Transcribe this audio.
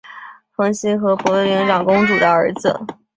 冯熙和博陵长公主的儿子。